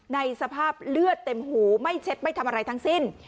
ในสภาพเลือดเต็มหูไม่เช็ดไม่ทำอะไรทั้งสิ้น